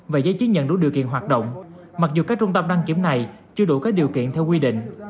và giấy chứng nhận đủ điều kiện hoạt động mặc dù các trung tâm đăng kiểm này chưa đủ các điều kiện theo quy định